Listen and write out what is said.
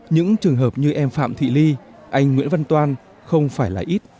những trường hợp như em phạm thị ly anh nguyễn văn toan không phải là ít